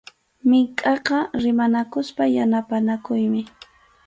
Minkʼaqa rimanakuspa yanapanakuymi.